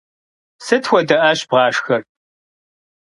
Сыт хуэдэ ӏэщ бгъашхэр?